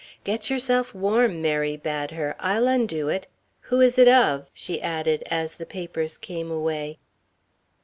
"Get yourself warm," Mary bade her. "I'll undo it. Who is it of?" she added, as the papers came away.